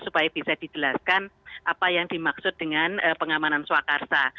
supaya bisa dijelaskan apa yang dimaksud dengan pengalaman suakarsa